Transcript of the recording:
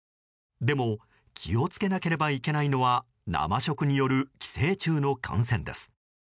でも気を付けなければいけないのは生食による寄生虫の感染です。